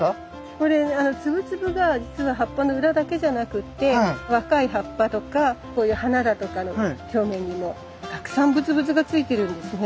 これツブツブがじつは葉っぱの裏だけじゃなくって若い葉っぱとかこういう花だとかの表面にもたくさんブツブツがついてるんですね。